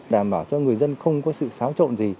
đảm bảo cho người dân không có sự xáo trộn gì